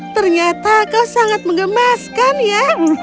ternyata kau sangat mengemaskan ya